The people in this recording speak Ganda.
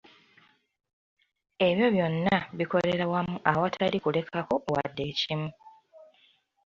Ebyo byonna bikolera wamu awatali kulekako wadde ekimu.